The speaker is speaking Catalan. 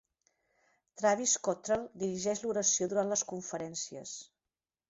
Travis Cottrell dirigeix l'oració durant les conferències.